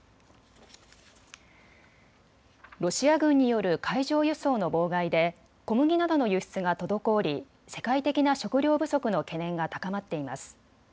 ロシア軍による海上輸送の妨害で小麦などの輸出が滞り世界的な食料不足の懸念が高まっています。